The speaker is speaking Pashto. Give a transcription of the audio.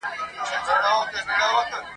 شور به سي پورته له ګل غونډیو ..